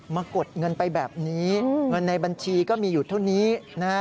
กดเงินไปแบบนี้เงินในบัญชีก็มีอยู่เท่านี้นะฮะ